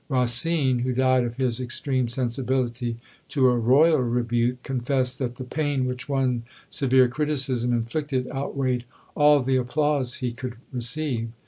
Racine, who died of his extreme sensibility to a royal rebuke, confessed that the pain which one severe criticism inflicted outweighed all the applause he could receive.